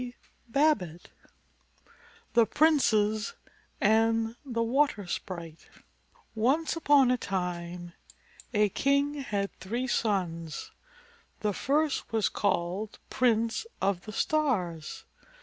XIII THE PRINCES AND THE WATER SPRITE ONCE upon a time a king had three sons. The first was called Prince of the Stars.